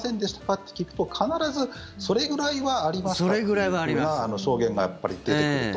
って聞くと必ず、それぐらいはありますというふうな証言が出てくると。